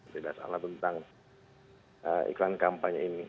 tidak salah tentang iklan kampanye ini